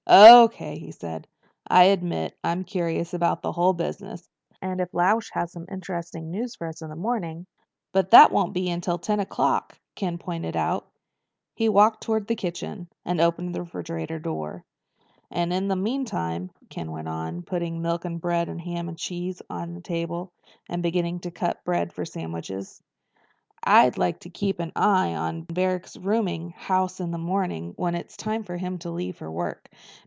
"O.K.," he said. "I admit I'm curious about the whole business. And if Lausch has some interesting news for us in the morning—" "But that won't be until ten o'clock," Ken pointed out. He walked toward the kitchen, with Sandy at his heels, and opened the refrigerator door. "And in the meantime," Ken went on, putting milk and bread and ham and cheese on the table, and beginning to cut bread for sandwiches, "I'd like to keep an eye on Barrack's rooming house in the morning when it's time for him to leave for work.